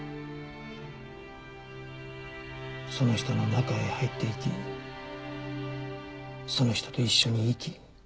その人の中へ入っていきその人と一緒に生き